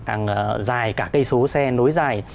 hàng dài cả cây số xe nối dài